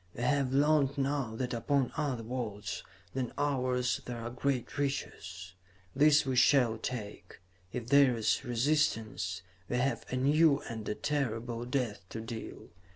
We have learned now that upon other worlds than ours there are great riches. These we shall take. If there is resistance, we have a new and a terrible death to deal.